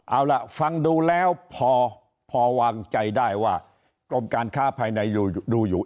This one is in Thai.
เอาล่ะฟังดูแล้วพอวางใจได้ว่ากรมการค้าภายในดูอยู่